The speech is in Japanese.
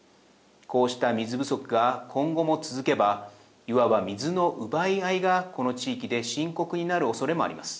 こうした水不足が今後も続けばいわば水の奪い合いがこの地域で深刻になるおそれもあります。